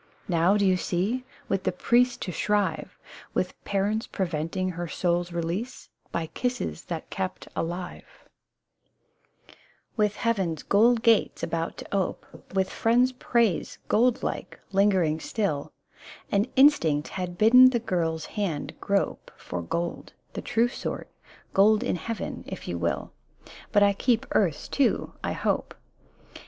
Now, do you see ? With the priest to shrive, 80 THE BOYS' BROWNING. With parents preventing her soul's release By kisses that kept alive, — With heaven's gold gates about to ope, With friends' praise, gold like, lingering still, An instinct had bidden the girl's hand grope For gold, the true sort —" Gold in heaven, if you will ; But I keep earth's too, I hope."